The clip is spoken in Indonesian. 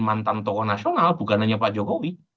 mantan tokoh nasional bukan hanya pak jokowi